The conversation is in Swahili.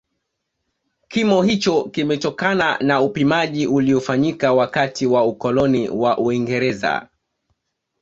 Kimo hicho kimetokana na upimaji uliofanyika wakati wa ukoloni wa Uingereza